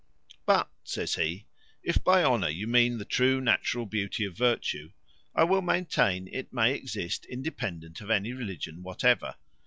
"But," says he, "if by honour you mean the true natural beauty of virtue, I will maintain it may exist independent of any religion whatever.